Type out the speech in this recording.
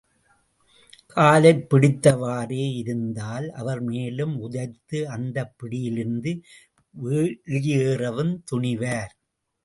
காலைப் பிடித்தவாறே இருந்தால், அவர் மேலும் உதைத்து, அந்தப் பிடியிலிருந்து வெளியேறவும் துணிவார்.